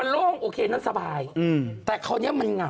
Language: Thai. โล่งโอเคนั้นสบายแต่คราวนี้มันเหงา